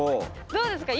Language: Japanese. どうですか？